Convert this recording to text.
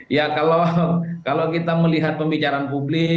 ya kalau kita melihat pembicaraan publik